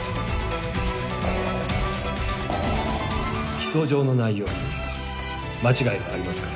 起訴状の内容に間違いはありますか。